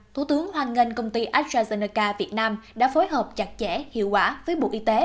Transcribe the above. thủ tướng hoan nghênh công ty astrazeneca việt nam đã phối hợp chặt chẽ hiệu quả với bộ y tế